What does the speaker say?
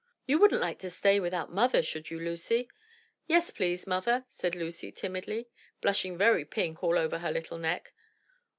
"You wouldn't like to stay without mother, should you, Lucy?" "Yes, please, mother," said Lucy timidly, blushing very pink all over her little neck.